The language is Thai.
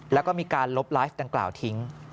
แล้วก็มีการลบไลฟ์ดังกล่าวทิ้ง